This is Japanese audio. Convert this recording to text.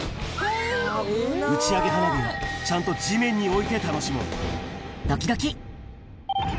打ち上げ花火は、ちゃんと地面に置いて楽しもう。